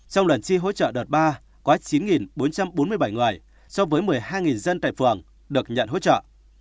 trong lần chi hỗ trợ đợt ba có chín bốn trăm bốn mươi bảy người so với một mươi hai dân tại phường được nhận hỗ trợ